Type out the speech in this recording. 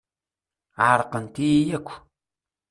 Ɛerqent-iyi akk.